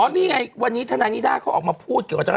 อ๋อนี่อัยคะวันนี้ธนานีดาเขาออกมาพูดเอาจาก